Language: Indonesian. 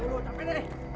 aduh capek deh